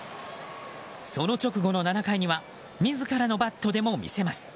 その直後の７回には自らのバットでの見せます。